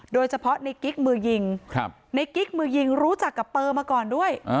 โดยเฉพาะในกิ๊กมือยิงในกิ๊กมือยิงรู้จักกับเปอร์มาก่อนด้วย